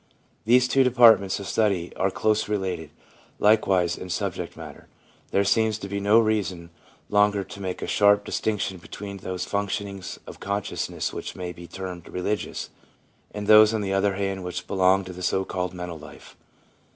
These two departments of study are closely related, likewise, in subject matter. There seems to be no reason longer to make a sharp distinction between those functionings of consciousness which may be termed religious, and those, on the other hand, which belong to the so called mental life.